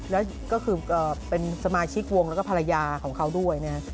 แล้วก็คือเป็นสมาชิกวงแล้วก็ภรรยาของเขาด้วยนะครับ